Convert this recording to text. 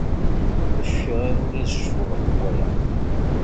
Ur cfiɣ ara ula d ceffu ɣef waya.